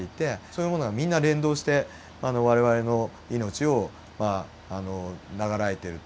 そういうものがみんな連動して我々の命をまあ長らえている。